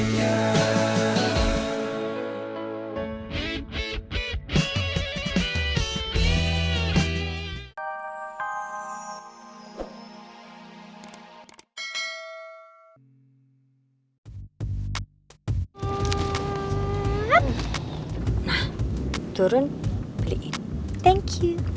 kalo aku mau dateng